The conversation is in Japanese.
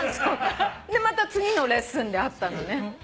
また次のレッスンで会ったのね。